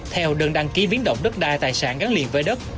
theo đơn đăng ký biến động đất đai tài sản gắn liền với đất